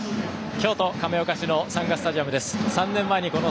京都亀岡市のサンガスタジアムです。